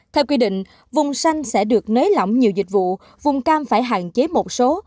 theo quy định vùng xanh sẽ được nới lỏng nhiều dịch vụ vùng cam phải hạn chế một số